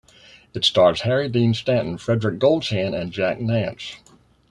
It stars Harry Dean Stanton, Frederic Golchan and Jack Nance.